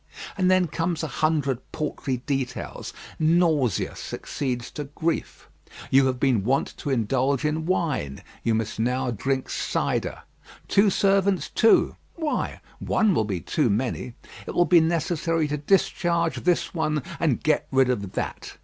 And then come a hundred paltry details. Nausea succeeds to grief. You have been wont to indulge in wine; you must now drink cider. Two servants, too! Why, one will be too many. It will be necessary to discharge this one, and get rid of that.